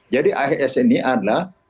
jadi ais ini adalah